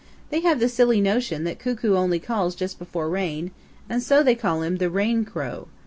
"They have the silly notion that Cuckoo only calls just before rain, and so they call him the Rain Crow.